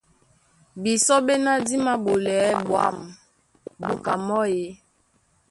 Bisɔ́ ɓéná dí māɓolɛɛ́ ɓwǎm̀ búka mɔ́ e?